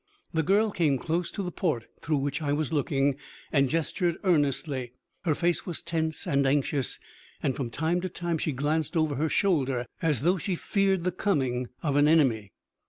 The girl came close to the port through which I was looking, and gestured earnestly. Her face was tense and anxious, and from time to time she glanced over her shoulder, as though she feared the coming of an enemy.